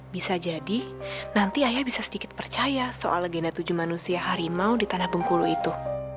bisa jadi nanti ayah bisa sedikit percaya soal legenda tujuh manusia harimau di tanah bengkulu itu